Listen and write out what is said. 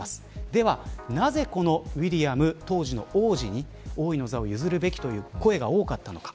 ではなぜ、このウィリアム当時の王子に王位の座を譲るべきという声が多かったのか。